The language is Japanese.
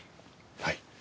はい。